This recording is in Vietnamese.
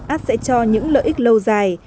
át sẽ cho những lợi ích lâu dài